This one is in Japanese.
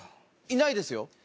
いないですよ